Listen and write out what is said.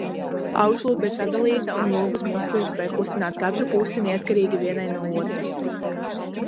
Augšlūpa ir sadalīta, un lūpas muskuļi spēj kustināt katru pusi neatkarīgi vienai no otras.